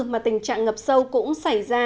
mà tình trạng ngập sâu cũng xảy ra